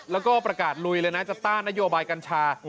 แล้วก็ประกาศลุยเลยนะจะต้านนโยบายกัญชา